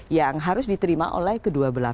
yang harus diterima oleh kedua belah